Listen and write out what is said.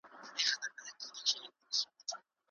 له حجرو به د آدم د رباب ترنګ سي